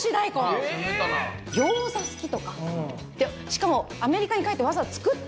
ギョーザ好きとか、しかも、アメリカに帰って、わざわざ作っ